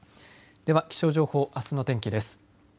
では気象情報、あすの天気です。